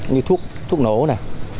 như thuốc thuốc nổ này